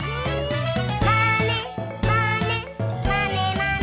「まねまねまねまね」